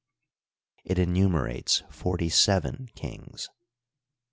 ; it enumerates forty seven kings.